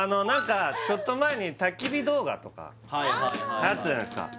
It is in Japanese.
ちょっと前に焚き火動画とかあったじゃないですか